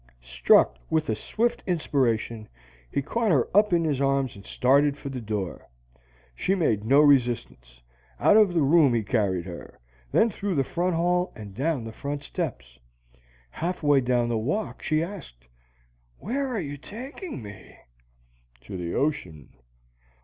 Struck with a swift inspiration, he caught her up in his arms and started for the door. She made no resistance. Out of the room he carried her, then through the front hall, and down the front steps. Half way down the walk she asked: "Where are you taking me?" "To the ocean."